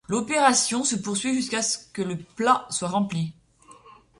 L'opération se poursuit jusqu'à ce que le plat soit rempli.